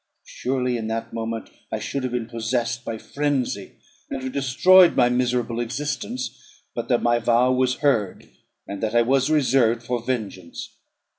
Surely in that moment I should have been possessed by frenzy, and have destroyed my miserable existence, but that my vow was heard, and that I was reserved for vengeance.